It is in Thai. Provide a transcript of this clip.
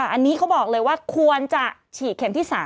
อันนี้เขาบอกเลยว่าควรจะฉีดเข็มที่๓